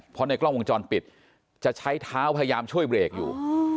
เพราะในกล้องวงจรปิดจะใช้เท้าพยายามช่วยเบรกอยู่